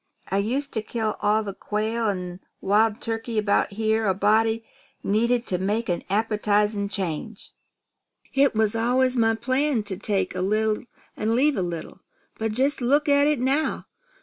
I used to kill all the quail an' wild turkeys about here a body needed to make an appetizing change, It was always my plan to take a little an' leave a little. But jest look at it now.